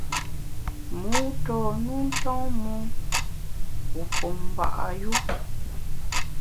Mû tôn u nton mon, wu pum mba’ yu.